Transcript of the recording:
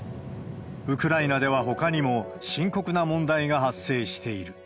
ウクライナでは、ほかにも深刻な問題が発生している。